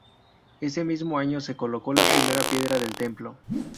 Ese mismo año se colocó la primera piedra del templo.